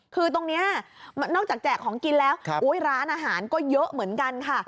คือตรงนี้นอกจากแจกของกินแล้วร้านอาหารก็เยอะเหมือนกันค่ะ